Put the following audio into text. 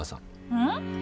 うん？